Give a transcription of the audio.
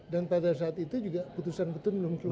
dan pada saat itu juga putusan betul belum keluar